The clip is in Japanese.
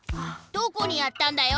どこにやったんだよ！